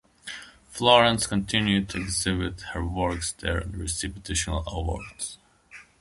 Florence continued to exhibit her works there and receive additional awards.